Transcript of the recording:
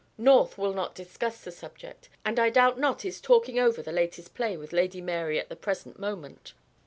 North will not discuss the subject, and I doubt not is talking over the latest play with Lady Mary at the present moment."